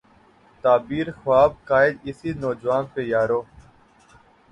تعبیر ء خواب ء قائد، اسی نوجواں پہ یارو